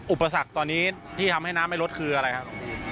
อุปสรรคตอนนี้ที่ทำให้น้ำไม่ลดคืออะไรครับ